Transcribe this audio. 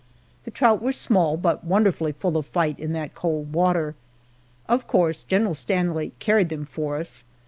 The trout were small, but wonderfully full of fight in that cold water. Of course General Stanley carried them for us.